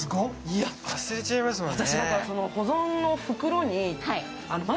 忘れちゃいますもんね。